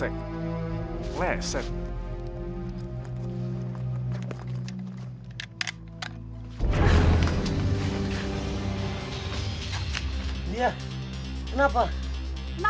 pondok ini ga ada rimbanya